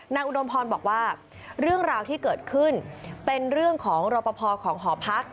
อุดมพรบอกว่าเรื่องราวที่เกิดขึ้นเป็นเรื่องของรปภของหอพัก